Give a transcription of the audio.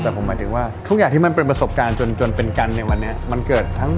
แต่ผมหมายถึงว่าทุกอย่างที่มันเป็นประสบการณ์จนเป็นกันในวันนี้มันเกิดทั้ง